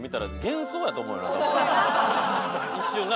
一瞬な。